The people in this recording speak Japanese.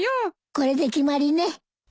これで決まりね。